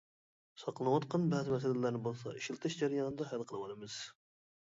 ساقلىنىۋاتقان بەزى مەسىلىلەرنى بولسا ئىشلىتىش جەريانىدا ھەل قىلىۋالىمىز.